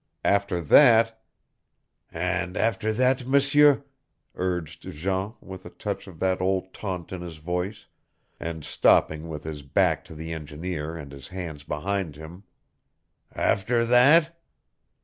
After that " "And after that, M'seur " urged Jean, with a touch of the old taunt in his voice, and stopping with his back to the engineer and his hands behind him. "After that?"